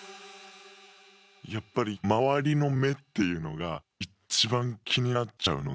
やっぱり周りの目っていうのが一番気になっちゃうので。